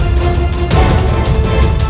utara dikasih pemanahnya